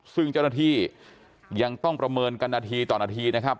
ซึ่งเจ้าหน้าที่ยังต้องประเมินกันนาทีต่อนาทีนะครับ